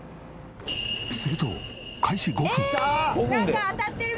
すると開始５分。